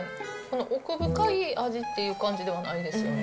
奥深い味っていう感じではないですよね。